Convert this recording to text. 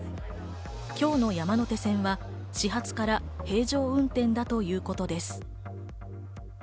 今日の山手線は始発から平常運転だということです。